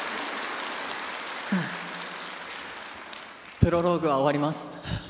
『プロローグ』は終わります。